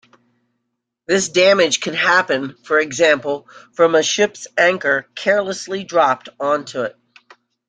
This damage can happen, for example, from a ship's anchor carelessly dropped onto it.